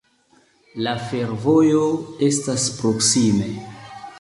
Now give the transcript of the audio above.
La fervojo estas proksime.